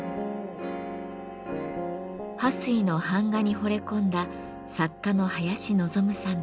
巴水の版画にほれ込んだ作家の林望さんです。